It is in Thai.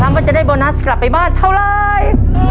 ว่าจะได้โบนัสกลับไปบ้านเท่าไร